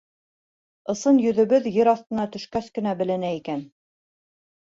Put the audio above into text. Ысын йөҙөбөҙ ер аҫтына төшкәс кенә беленә икән.